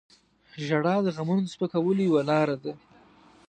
• ژړا د غمونو د سپکولو یوه لاره ده.